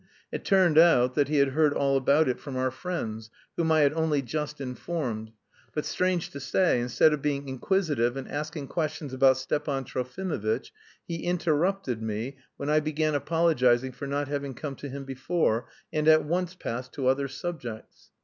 It turned out that he had heard all about it from our friends, whom I had only just informed. But, strange to say, instead of being inquisitive and asking questions about Stepan Trofimovitch, he interrupted me, when I began apologising for not having come to him before, and at once passed to other subjects.